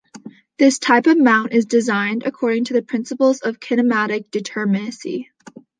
This type of mount is designed according to the principles of kinematic determinacy.